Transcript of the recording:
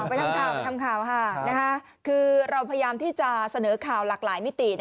ไปทำข่าวไปทำข่าวค่ะคือเราพยายามที่จะเสนอข่าวหลากหลายมิติ